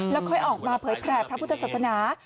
แล้วค่อยออกมาเผยแผลพระพุทธศาสนา